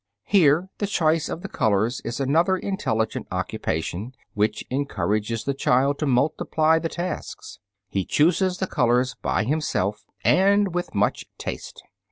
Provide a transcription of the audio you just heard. Here the choice of the colors is another intelligent occupation which encourages the child to multiply the tasks. He chooses the colors by himself and with much taste.